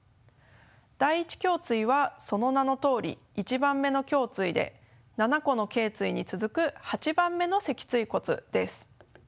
第１胸椎はその名のとおり１番目の胸椎で７個のけい椎に続く８番目の脊椎骨です。